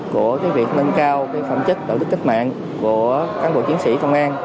của việc nâng cao phạm chức đạo đức kích mạng của cán bộ chiến sĩ công an